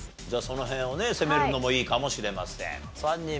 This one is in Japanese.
じゃあその辺をね攻めるのもいいかもしれません。